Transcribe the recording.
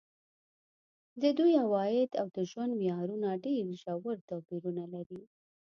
د دوی عواید او د ژوند معیارونه ډېر ژور توپیرونه لري.